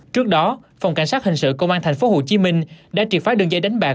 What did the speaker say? trước đó phòng cảnh sát hình sự công an thành phố hồ chí minh đã triệt phá đường dây đánh bạc